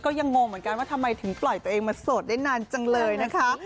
ยังงงเหมือนกันว่าทำไมถึงปล่อยตัวเองมาโสดได้นานจังเลยนะคะ